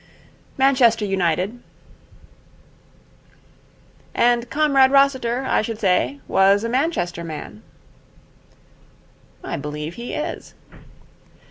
'Manchester United.' 'And Comrade Rossiter, I should say, was a Manchester man.' 'I believe he is.'